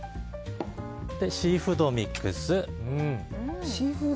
シーフードミックス。